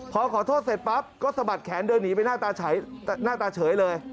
พอขอโทษเสร็จปั๊บก็สะบัดแขนเดินหนีไปหน้าตาเฉยเลย